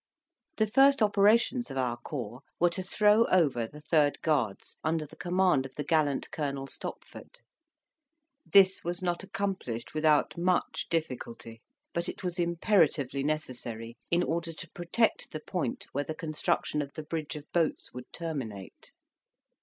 The first operations of our corps were to throw over the 3rd Guards, under the command of the gallant Colonel Stopford; this was not accomplished without much difficulty: but it was imperatively necessary, in order to protect the point where the construction of the bridge of boats would terminate.